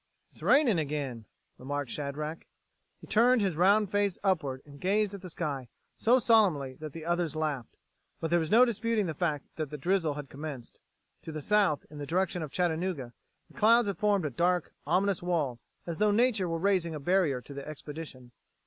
"It's raining again," remarked Shadrack. He turned his round face upward and gazed at the sky so solemnly that the others laughed. But there was no disputing the fact: the drizzle had commenced. To the south, in the direction of Chattanooga, the clouds had formed a dark, ominous wall, as though nature were raising a barrier to the expedition.